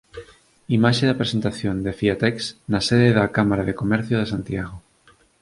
Imaxe da presentación de Fiatex na sede da Cámara de Comercio de Santiago